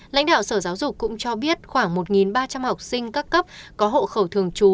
lãnh đạo sở giáo dục cũng cho biết khoảng một ba trăm linh học sinh các cấp có hộ khẩu thường trú